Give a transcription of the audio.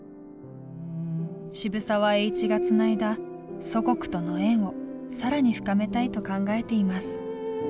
渋沢栄一がつないだ祖国との縁を更に深めたいと考えています。